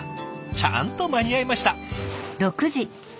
ちゃんと間に合いました！